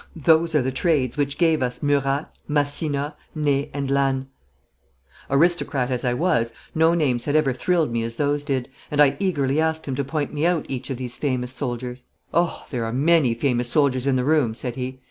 Those are the trades which gave us Murat, Massena, Ney, and Lannes.' Aristocrat as I was, no names had ever thrilled me as those did, and I eagerly asked him to point me out each of these famous soldiers. 'Oh, there are many famous soldiers in the room,' said he.